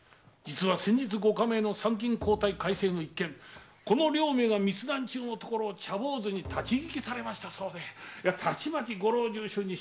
先日ご下命の参勤交代改正の一件この両名が密談中のところを立ち聞きされたそうでたちまちご老中衆に知れ渡りました。